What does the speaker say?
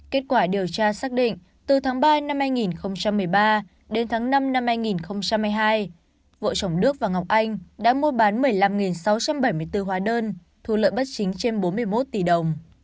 kết quả điều tra xác định từ tháng ba năm hai nghìn một mươi ba đến tháng năm năm hai nghìn hai mươi hai vợ chồng đức và ngọc anh đã mua bán một mươi năm sáu trăm bảy mươi bốn hóa đơn thu lợi bất chính trên bốn mươi một tỷ đồng